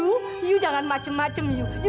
kamu jangan macam macam sieganti baju